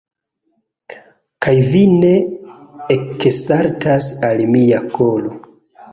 Kaj vi ne eksaltas al mia kolo!